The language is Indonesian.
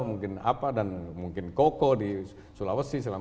mungkin apa dan mungkin koko di sulawesi